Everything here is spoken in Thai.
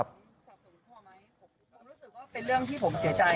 ผมรู้สึกว่าเป็นเรื่องที่ผมเสียใจนะ